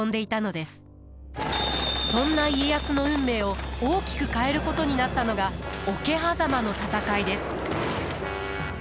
そんな家康の運命を大きく変えることになったのが桶狭間の戦いです。